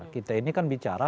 kita ini kan bicara